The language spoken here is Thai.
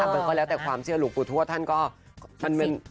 มันก็แล้วแต่ความเชื่อหลุม